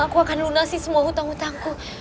aku akan lunasi semua hutang hutangku